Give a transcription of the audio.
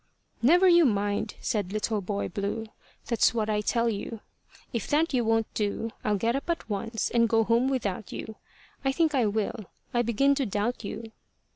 "Never you mind," said Little Boy Blue; "That's what I tell you. If that you won't do, "I'll get up at once, and go home without you. I think I will; I begin to doubt you."